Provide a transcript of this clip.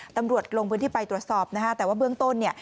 ตำรวจลงพื้นที่ไปตรวจสอบแต่ว่าเบื้องต้น